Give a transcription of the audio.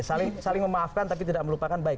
saling memaafkan tapi tidak melupakan baik